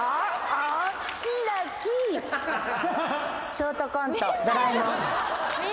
ショートコント「ドラえもん」